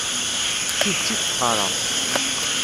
D tidet i d-qqareɣ.